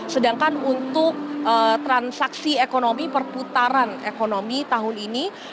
sedangkan untuk transaksi ekonomi perputaran ekonomi tahun ini